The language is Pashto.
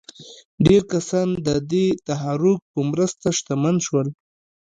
ډېر کسان د دې تحرک په مرسته شتمن شول.